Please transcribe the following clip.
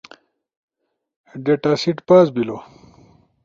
ڈیٹا سیٹ پاس بیلو